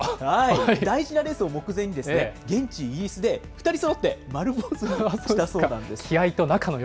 大事なレースを目前に、現地イギリスで、２人そろって丸坊主にしたそうなんです。